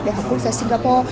đại học quốc gia singapore